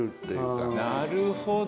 なるほど。